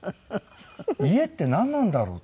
家ってなんなんだろう？って。